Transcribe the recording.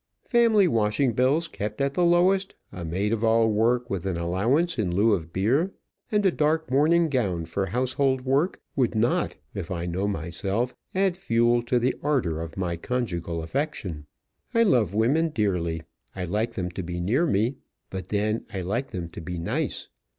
Family washing bills kept at the lowest, a maid of all work with an allowance in lieu of beer, and a dark morning gown for household work, would not, if I know myself, add fuel to the ardour of my conjugal affection. I love women dearly; I like them to be near me; but then I like them to be nice.